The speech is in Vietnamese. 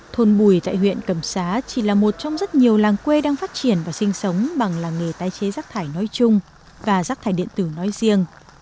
thôn bùi tại huyện cầm xá chỉ là một trong rất nhiều làng quê đang phát triển và sinh sống bằng làng nghề tái chế rác thải nói chung và rác thải điện tử nói riêng